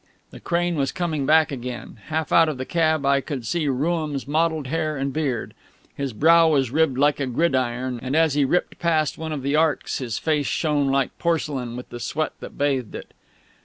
The crane was coming back again. Half out of the cab I could see Rooum's mottled hair and beard. His brow was ribbed like a gridiron, and as he ripped past one of the arcs his face shone like porcelain with the sweat that bathed it.